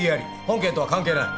本件とは関係ない。